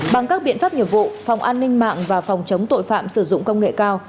bằng các biện pháp nghiệp vụ phòng an ninh mạng và phòng chống tội phạm sử dụng công nghệ cao